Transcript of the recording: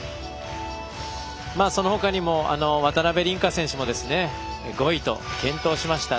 その他にも渡辺倫果選手も５位と健闘しました。